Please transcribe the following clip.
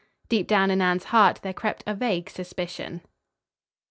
Deep down in Anne's heart there crept a vague suspicion.